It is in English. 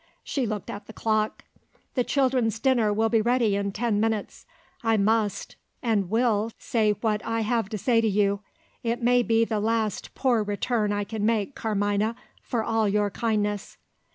She looked at the clock. "The children's dinner will be ready in ten minutes. I must, and will, say what I have to say to you. It may be the last poor return I can make, Carmina, for all your kindness."